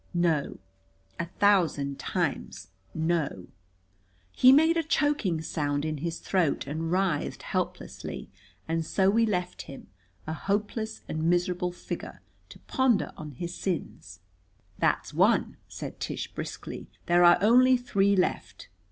No. A thousand times no." He made a choking sound in his throat and writhed helplessly. And so we left him, a hopeless and miserable figure, to ponder on his sins. "That's one," said Tish briskly. "There are only three left.